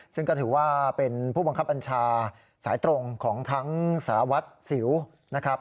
ซึ่งก็ถือว่าเป็นผู้บังคับบัญชาสายตรงของทั้งสารวัตรสิวนะครับ